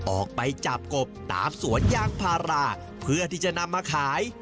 ออกไปจับกบตามสวนยางพาราเพื่อที่จะนำมาขาย